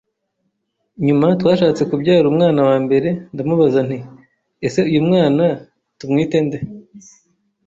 Nyuma twashatse kubyara umwana wa mbere, ndamubaza nti:" Ese uyu mwana tumwite nde?